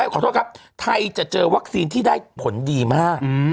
ขอโทษครับไทยจะเจอวัคซีนที่ได้ผลดีมาก